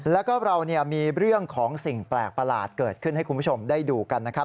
แล้วก็เรามีเรื่องของสิ่งแปลกประหลาดเกิดขึ้นให้คุณผู้ชมได้ดูกันนะครับ